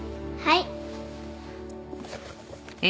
はい。